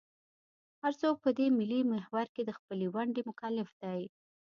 هر څوک په دې ملي محور کې د خپلې ونډې مکلف دی.